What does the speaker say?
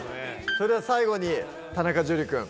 それでは最後に田中樹くん。